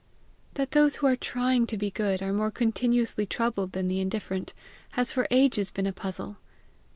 That those who are trying to be good are more continuously troubled than the indifferent, has for ages been a puzzle.